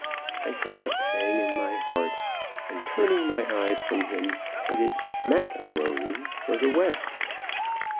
I felt a pang in my heart, and turning my eyes from him, headed Mac A'Rony for the West.